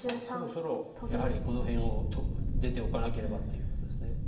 そろそろやはりこの辺を出ておかなければということです。